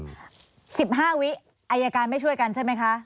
๑๕วิอายการไม่ช่วยกันใช่ไหมคะ